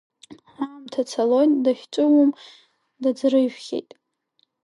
Аамҭа цалоит, дахьҵәыуом, даӡрыжәхьеит.